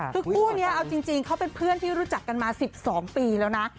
คุณผู้เนี้ยเอาจริงจริงเขาเป็นเพื่อนที่รู้จักกันมาสิบสองปีแล้วน่ะค่ะ